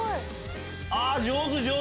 上手上手！